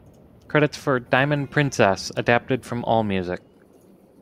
Credits for "Diamond Princess" adapted from Allmusic.